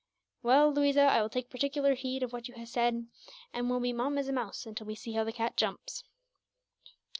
"Well, Louisa, I will take particular heed of what you have said, and will be mum as a mouse, until we see how the cat jumps."